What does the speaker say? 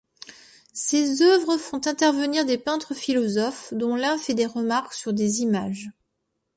Ses œuvres font intervenir des peintre-philosophes, dont l'un fait des remarques sur des images.